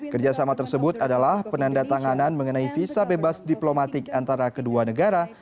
kerjasama tersebut adalah penanda tanganan mengenai visa bebas diplomatik antara kedua negara